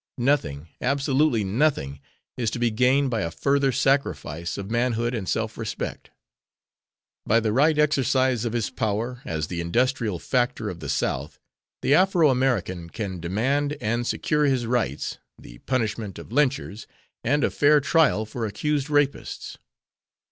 Nothing, absolutely nothing, is to be gained by a further sacrifice of manhood and self respect. By the right exercise of his power as the industrial factor of the South, the Afro American can demand and secure his rights, the punishment of lynchers, and a fair trial for accused rapists.